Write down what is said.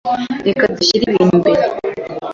Reka dushyire ibintu imbere.